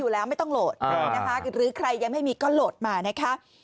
ไม่ต้องโหลดนะคะหรือใครยังไม่มีก็โหลดมานะคะ